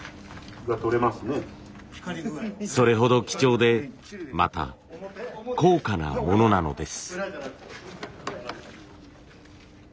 それほど貴重でまた高価なものなのです。